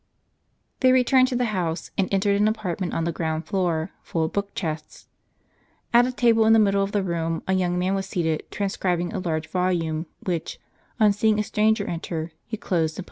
They returned to the house, and entered an apartment on the ground floor, full of book chests. At a table in the middle of the room a young man was seated, transcribing a large volume; which, on seeing a stranger enter, he closed and put aside.